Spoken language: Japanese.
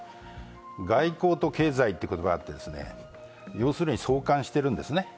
外交と経済という言葉があって、相関してるんですね。